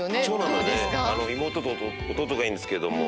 長男なんで妹と弟がいるんですけども。